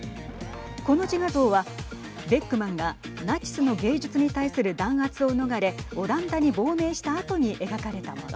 この自画像はベックマンがナチスの芸術に対する弾圧を逃れオランダに亡命したあとに描かれたもの。